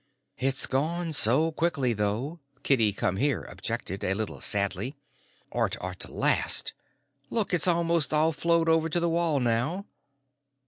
"It's gone so quickly, though," Kitty Come Here objected, a little sadly. "Art ought to last. Look, it's almost all flowed over to the wall now."